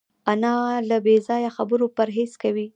انا له بېځایه خبرو پرهېز کوي